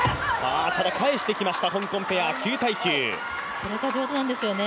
これが上手なんですよね。